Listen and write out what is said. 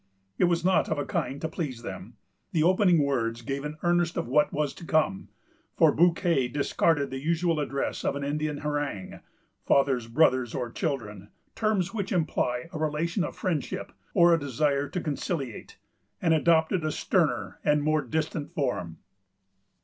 It was not of a kind to please them. The opening words gave an earnest of what was to come; for Bouquet discarded the usual address of an Indian harangue: fathers, brothers, or children,——terms which imply a relation of friendship, or a desire to conciliate,——and adopted a sterner and more distant form.